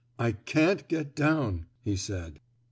I can't get down," he said.